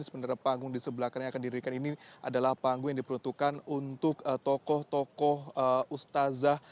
sebenarnya panggung di sebelah kanan yang akan didirikan ini adalah panggung yang diperuntukkan untuk tokoh tokoh ustazah